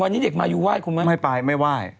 วันนี้เด็กมายูไห้ครูไหมไม่ไปไม่ไหว้